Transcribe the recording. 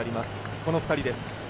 この２人です。